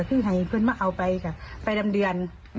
ก็ให้คนมาเอาไปก่อนไปรำเดือน